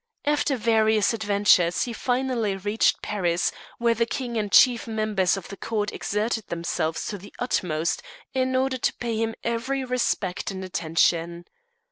After various adventures he finally reached Paris, where the King and chief members of the Court exerted themselves to the utmost in order to pay him every respect and attention.